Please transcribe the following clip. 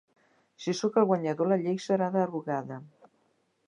Si sóc el guanyador, la llei serà derogada.